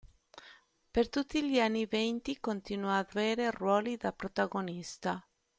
Per tutti gli anni venti continuò ad avere ruoli da protagonista.